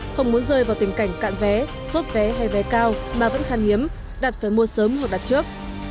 không muốn rơi vào tình cảnh cạn vé sốt vé hay vé cao mà vẫn khan hiếm đặt phải mua sớm hoặc đặt trước